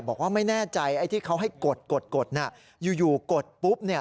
บอกว่าไม่แน่ใจไอ้ที่เขาให้กดกดน่ะอยู่อยู่กดปุ๊บเนี่ย